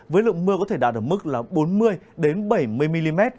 với lượng mưa có thể đạt được mức bốn mươi bảy mươi mm